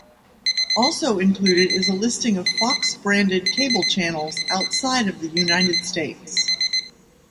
Also included is a listing of Fox-branded cable channels outside of the United States.